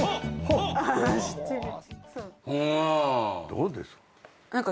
どうですか？